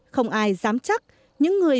không ai dám chắc những người